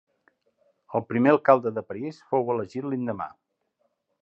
El primer alcalde de París fou elegit l'endemà.